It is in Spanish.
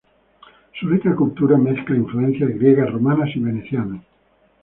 Su rica cultura mezcla influencias griegas, romanas y venecianas.